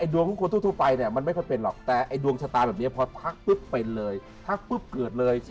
ดวงของคุณคุณทุกไปมันไม่ค่อยเป็นหรอกแต่ดวงชะตาแบบนี้พอพักปุ๊บเป็นเลยพักปุ๊บเกิดเลย